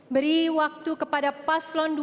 beri waktu kepada paslon dua